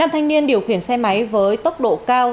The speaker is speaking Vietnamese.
năm thanh niên điều khiển xe máy với tốc độ cao